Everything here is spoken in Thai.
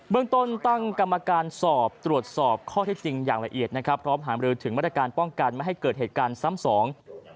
เมืองต้นตั้งกรรมการสอบตรวจสอบข้อเท็จจริงอย่างละเอียดนะครับพร้อมหามรือถึงมาตรการป้องกันไม่ให้เกิดเหตุการณ์ซ้ำสอง